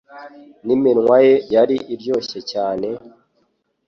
N'iminwa ye yari iryoshye cyane;